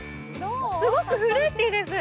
すごくフルーティーです。